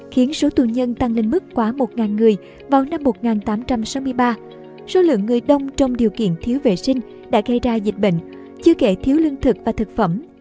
khiến số tù nhân tăng lên mức quá một người vào năm một nghìn tám trăm sáu mươi ba số lượng người đông trong điều kiện thiếu vệ sinh đã gây ra dịch bệnh chưa kể thiếu lương thực và thực phẩm